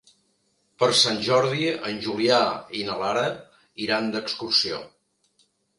Per Sant Jordi en Julià i na Lara iran d'excursió.